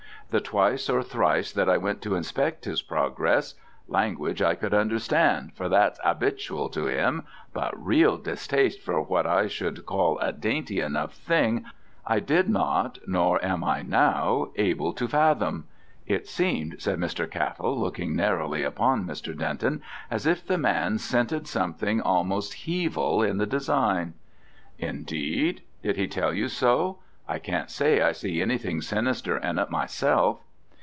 The twice or thrice that I went to inspect his progress: language I could understand, for that's 'abitual to him, but reel distaste for what I should call a dainty enough thing, I did not, nor am I now able to fathom. It seemed," said Mr. Cattell, looking narrowly upon Mr. Denton, "as if the man scented something almost Hevil in the design." "Indeed? did he tell you so? I can't say I see anything sinister in it myself."